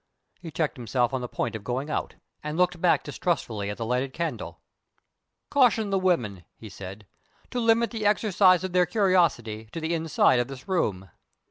He checked himself on the point of going out, and looked back distrustfully at the lighted candle. "Caution the women," he said, "to limit the exercise of their curiosity to the inside of this room."